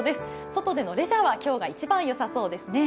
外でのレジャーは今日が一番よさそうですね。